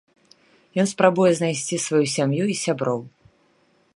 Ён спрабуе знайсці сваю сям'ю і сяброў.